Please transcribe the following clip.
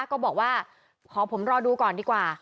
ก็บอกว่าขอผมรอดูก่อนดีกว่า